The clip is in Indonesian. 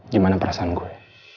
gimana perasaan gue